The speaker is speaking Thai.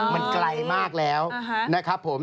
มันไกลมากแล้วนะครับผม